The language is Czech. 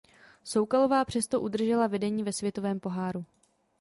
Soukalová přesto udržela vedení ve světovém poháru.